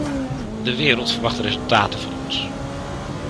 De wereld verwacht resultaten van ons.